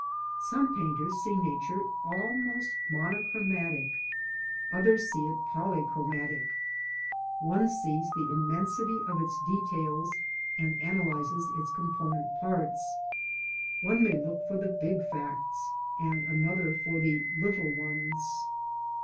Some painters see Nature almost monochromatic, others see it polychromatic. One sees the immensity of its details and analyses its component parts. One may look for the big facts, and another for the little ones.